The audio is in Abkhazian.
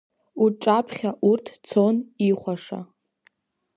Уҿаԥхьа урҭ цон ихәаша.